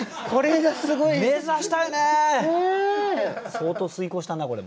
相当推敲したなこれも。